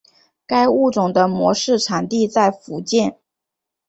该物种的模式产地在福建。